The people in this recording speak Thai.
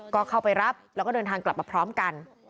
ก็เข้าไปรับแล้วก็เดินทางกลับมาพร้อมกัน